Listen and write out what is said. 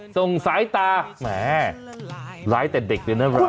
ส่งสายตาแหมร้ายแต่เด็กเลยนะครับ